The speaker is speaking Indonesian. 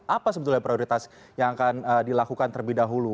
apa sebetulnya prioritas yang akan dilakukan terlebih dahulu